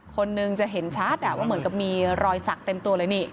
คนนึงจะเห็นชัดว่าเหมือนกับมีรอยสักเต็มตัวเลยนี่